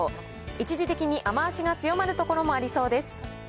一時的に雨足が強まる所もありそうです。